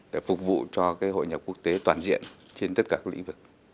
để phục vụ cho hội nhập quốc tế toàn diện trên tất cả các lĩnh vực